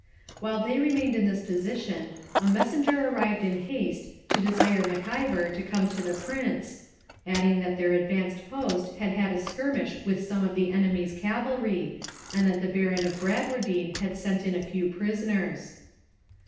While they remained in this position a messenger arrived in haste to desire Mac Ivor to come to the Prince, adding that their advanced post had had a skirmish with some of the enemy's cavalry, and that the Baron of Bradwardine had sent in a few prisoners.